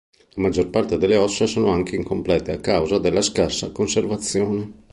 La maggior parte delle ossa sono anche incomplete, a causa della scarsa conservazione.